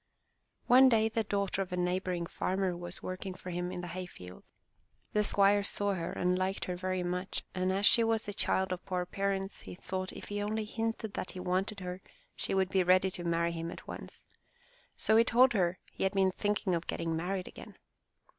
One day the daughter of a neighboring farmer was working for him in the hay field. The squire saw her and liked her very much, and as she was the child of poor parents, he thought if he only hinted that he wanted her she would be ready to marry him at once. So he told her he had been thinking of getting married again.